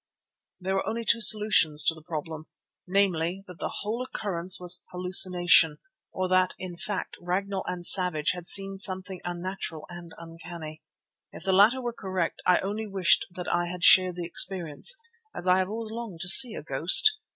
There were only two solutions to the problem—namely, that the whole occurrence was hallucination, or that, in fact, Ragnall and Savage had seen something unnatural and uncanny. If the latter were correct I only wished that I had shared the experience, as I have always longed to see a ghost.